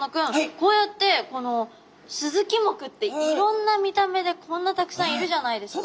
こうやってこのスズキ目っていろんな見た目でこんなたくさんいるじゃないですか。